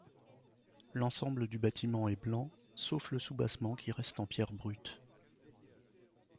L'ensemble du bâtiment est blanc, sauf le soubassement qui reste en pierre brute.